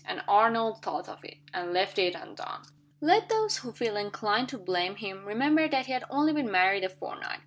And Arnold thought of it and left it undone. Let those who feel inclined to blame him remember that he had only been married a fortnight.